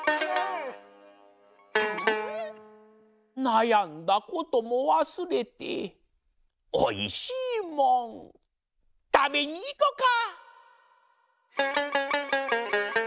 「なやんだこともわすれておいしいもんたべにいこか！」